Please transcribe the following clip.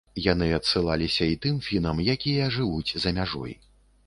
Яны адсылаліся і тым фінам, якія жывуць за мяжой.